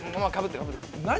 何？